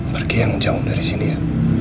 pergi yang jauh dari sini ya